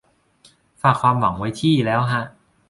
ฝากความหวังไว้ที่ แล้วฮะ